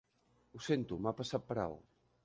Ho sento, m'ha passat per alt.